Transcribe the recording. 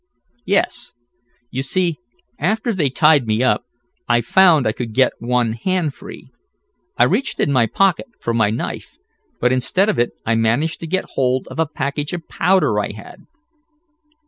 "Yes. You see after they tied me I found I could get one hand free. I reached in my pocket for my knife, but instead of it I managed to get hold of a package of powder I had."